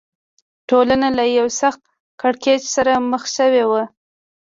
ټولنه له یوه سخت کړکېچ سره مخ شوې وه.